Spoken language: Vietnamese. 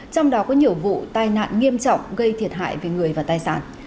trong đó có nhiều vụ tai nạn nghiêm trọng gây thiệt hại về người và tài sản